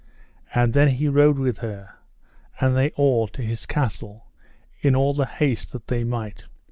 And then he rode with her, and they all, to his castle, in all the haste that they might.